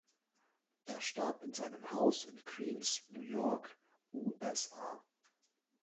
Er starb in seinem Haus in Queens, New York (USA).